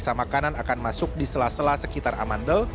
sisa makanan akan masuk di sela sela sekitar amandel